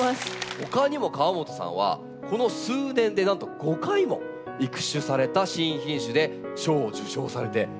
ほかにも河本さんはこの数年でなんと５回も育種された新品種で賞を受賞されているんです。